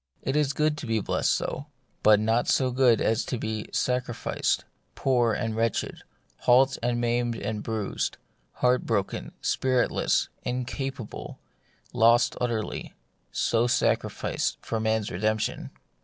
It is good to be blest so ; but not so good as to be sacrificed, poor and wretched, halt and maimed and bruised, heart broken, spiritless, incapable, lost utterly — so sacrificed for man's redemption.